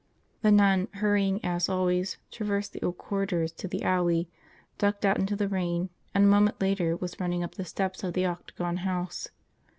... The nun, hurrying as always, traversed the old corridors to the alley, ducked out into the rain, and a moment later was running up the steps of the Octagon House.